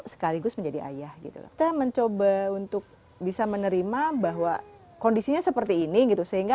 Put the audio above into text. sekaligus menjadi ayah gitu kita mencoba untuk bisa menerima bahwa kondisinya seperti ini gitu sehingga